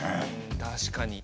確かに。